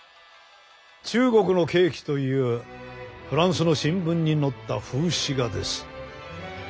「中国のケーキ」というフランスの新聞に載った風刺画です。